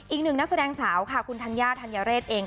อีกหนึ่งนักแสดงสาวค่ะคุณธัญญาธัญเรศเอง